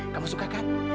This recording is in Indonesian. kamu suka kan